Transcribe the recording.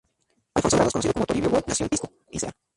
Alfonso Grados, conocido como "Toribio Gol", nació en Pisco, Ica.